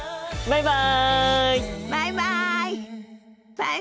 バイバイ！